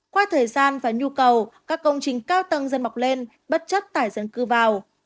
qua thời gian và nhu cầu các công trình cao tầng dân mọc lên bất chấp tải dân cư vào